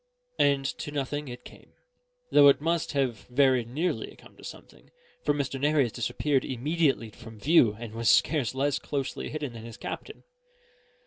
And to nothing it came; though it must have very nearly come to something, for Mr. Nares disappeared immediately from view and was scarce less closely hidden than his captain.